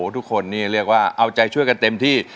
ทุกคนนี่เรียกว่าเอาใจช่วยกันเต็มที่